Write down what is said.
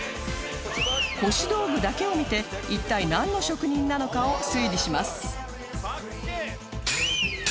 腰道具だけを見て一体なんの職人なのかを推理します